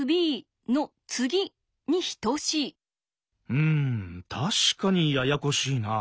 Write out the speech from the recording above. うん確かにややこしいな。